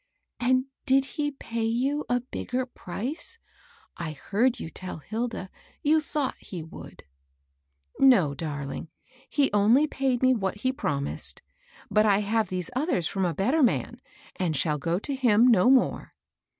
" And did he pay you a bigger price ? I heard you tell Hilda you thought he would." " No, darling ; he only paid me what he prom ised. But I have these othera from a better man, and shall go to him no more."